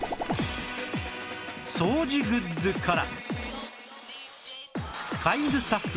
掃除グッズから